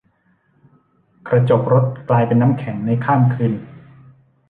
กระจกรถกลายเป็นน้ำแข็งในข้ามคืน